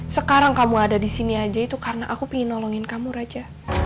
sekarang kamu ada disini aja itu karena aku pengen nolongin kamu raja